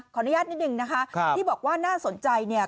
ขออนุญาตนิดนึงนะฮะที่บอกว่าน่าสนใจเนี่ย